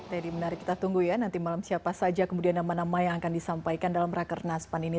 teddy menarik kita tunggu ya nanti malam siapa saja kemudian nama nama yang akan disampaikan dalam rakernas pan ini